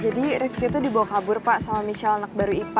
jadi rifqi itu dibawa kabur pak sama michelle anak baru ipa